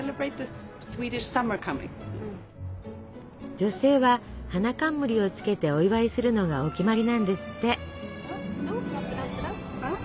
女性は花冠をつけてお祝いするのがお決まりなんですって。